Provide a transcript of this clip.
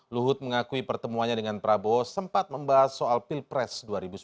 luhut mengakui pertemuannya dengan prabowo sempat membahas soal pilpres dua ribu sembilan belas